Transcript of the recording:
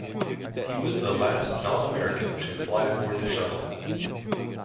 He was the last non-American to fly aboard the shuttle.